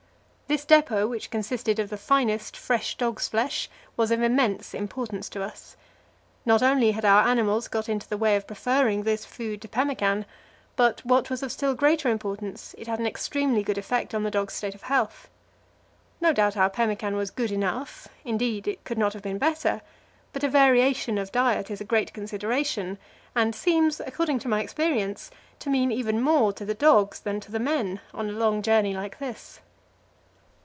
This depot, which consisted of the finest, fresh dogs' flesh, was of immense importance to us. Not only had our animals got into the way of preferring this food to pemmican, but, what was of still greater importance, it had an extremely good effect on the dogs' state of health. No doubt our pemmican was good enough indeed, it could not have been better but a variation of diet is a great consideration, and seems, according to my experience, to mean even more to the dogs than to the men on a long journey like this.